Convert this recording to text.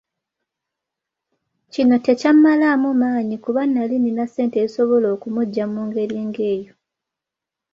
Kino tekyammalaamu maanyi kuba nnali nnina ssente ezisobola okumuggya mu ngeri ng’egyo.